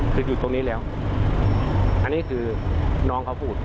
คืออยู่ตรงนี้แล้วอันนี้คือน้องเขาพูด